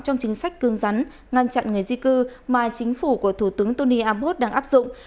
chính sách cương rắn ngăn chặn người di cư mà chính phủ của thủ tướng tony abbott đang áp dụng